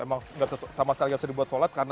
emang sama sekali nggak bisa dibuat sholat